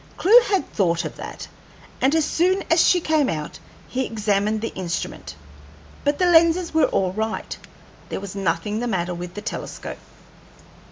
Clewe had thought of that, and as soon as she came out he examined the instrument, but the lenses were all right. There was nothing the matter with the telescope.